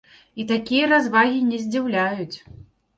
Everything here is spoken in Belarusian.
І такія развагі не здзіўляюць.